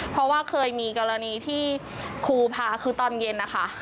เพราะว่าเคยมีกรณีที่ครูพาคือตอนเย็นนะคะ